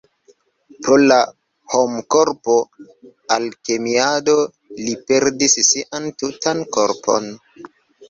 Pro la homkorpo-alkemiado, li perdis sian tutan korpon.